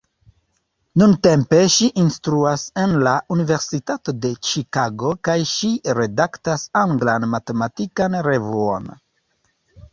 Nuntempe ŝi instruas en la Universitato de Ĉikago kaj ŝi redaktas anglan matematikan revuon.